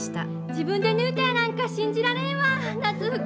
自分で縫うたやなんか信じられんわ夏服。